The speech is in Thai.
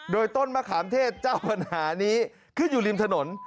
โดยต้นมะขามเทศเจ้าปัญหานี้ขึ้นอยู่ริมถนน